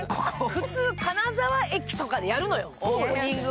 普通、金沢駅とかでやるのよオープニングは。